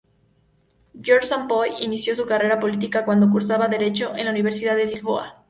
Jorge Sampaio inició su carrera política cuando cursaba Derecho en la Universidad de Lisboa.